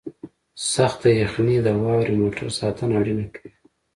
سخته یخنۍ د واورې موټر ساتنه اړینه کوي